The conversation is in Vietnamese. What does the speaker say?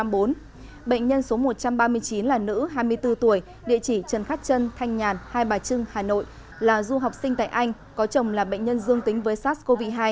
bệnh nhân số một trăm ba mươi chín là nữ hai mươi bốn tuổi địa chỉ trần khát trân thanh nhàn hai bà trưng hà nội là du học sinh tại anh có chồng là bệnh nhân dương tính với sars cov hai